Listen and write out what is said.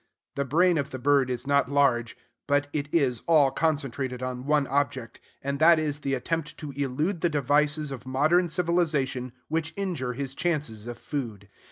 The brain of the bird is not large; but it is all concentrated on one object, and that is the attempt to elude the devices of modern civilization which injure his chances of food.